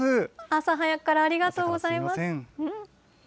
朝早くからありがとうございます。